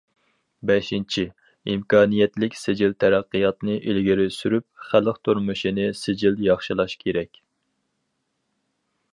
بەشىنچى، ئىمكانىيەتلىك سىجىل تەرەققىياتنى ئىلگىرى سۈرۈپ، خەلق تۇرمۇشىنى سىجىل ياخشىلاش كېرەك.